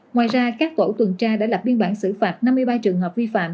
ngoài ra các tổ tuần tra đã lập biên bản xử phạt năm mươi ba trường hợp vi phạm